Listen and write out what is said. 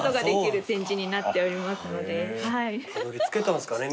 たどり着けたんすかね